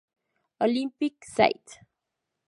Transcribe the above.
Olympic Site".